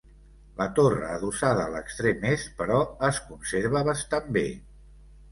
La torre adossada a l'extrem est, però, es conserva bastant bé.